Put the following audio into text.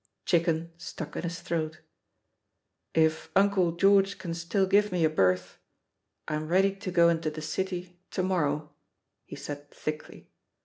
Chicken stuck in his throat. "If Uncle George can still give me a berth, I'm ready to go into the City to morrow," he said thickly.